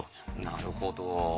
なるほど。